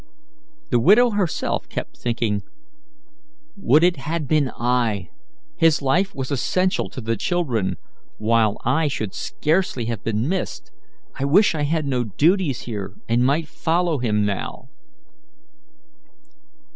The widow herself kept thinking: "Would it had been I! His life was essential to the children, while I should scarcely have been missed. I wish I had no duties here, and might follow him now."